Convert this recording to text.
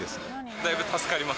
だいぶ助かります。